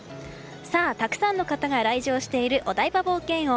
たくさんの方が来場しているお台場冒険王。